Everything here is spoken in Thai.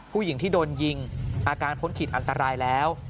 ผู้หญิงที่โดนยิงอาการพ้นขีดอันตรายแล้ว